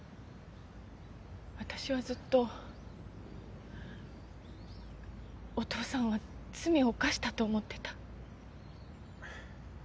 私はずっとお父さんは罪を犯したと思ってた。